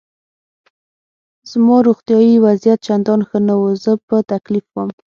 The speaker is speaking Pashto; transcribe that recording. زما روغتیایي وضعیت چندان ښه نه و، زه په تکلیف وم.